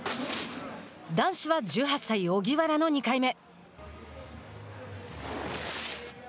男子は１８歳、荻原の２回目。